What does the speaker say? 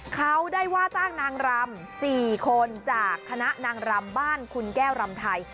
เขาได้ว่าจ้างนางรำ๔คนจากคณะนางรำบ้านคุณแก้วรำไทย